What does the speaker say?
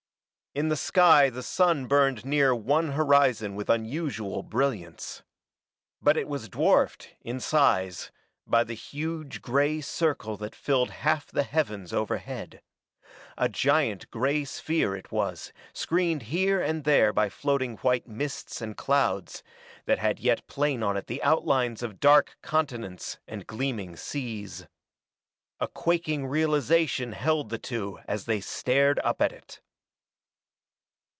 In the sky the sun burned near one horizon with unusual brilliance. But it was dwarfed, in size, by the huge gray circle that filled half the heavens overhead. A giant gray sphere it was, screened here and there by floating white mists and clouds, that had yet plain on it the outlines of dark continents and gleaming seas. A quaking realization held the two as they stared up at it.